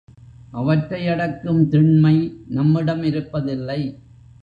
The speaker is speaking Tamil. அவற்றை அடக்கும் திண்மை நம்மிடம் இருப்பதில்லை.